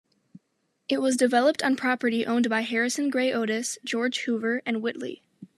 It was developed on property owned by Harrison Gray Otis, George Hoover, and Whitley.